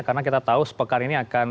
karena kita tahu sepekar ini akan